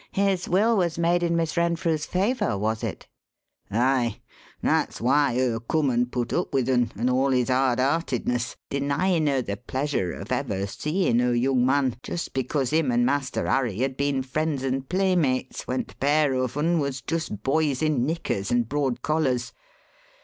"His will was made in Miss Renfrew's favour, was it?" "Aye. That's why her come and put up with un and all his hardheartedness denyin' her the pleasure o' ever seein' her young man just because him and Master Harry had been friends and playmates when t' pair of un was just boys in knickers and broad collars.